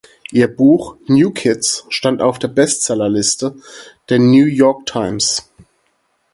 Ihr Buch New Kids stand auf der Bestsellerliste der New York Times.